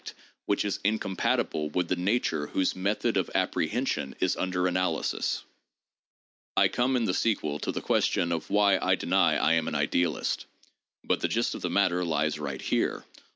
16 THE JOURNAL OF PHILOSOPHY which is incompatible with the nature whose method of apprehen sion, is under analysis. I come in the sequel to the question of why I deny I am an idealist; but the gist of the matter lies right here.